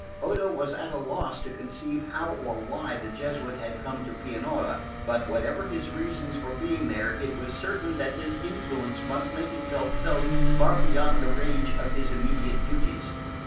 Odo was at a loss to conceive how or why the Jesuit had come to Pianura; but, whatever his reasons for being there, it was certain that his influence must make itself felt far beyond the range of his immediate duties.